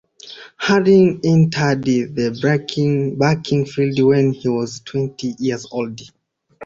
Harding entered the banking field when he was twenty years old.